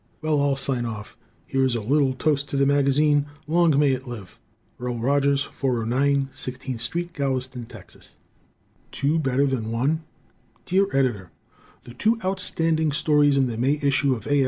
Well, I'll sign off. Here is a little toast to the magazine: "Long may it live." Earl Rogers, 409 16th St., Galveston, Tex. Two, Better Than One? Dear Editor: The two outstanding stories in the May issue of A.